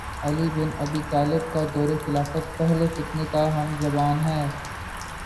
علی bin Abi Talib کا دور خلافت پہلے فتنے کا ہم زمان ہے